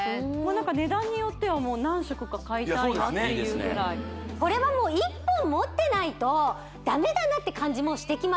値段によっては何色か買いたいなっていうぐらいこれはもう１本持ってないとダメだなって感じしてきません？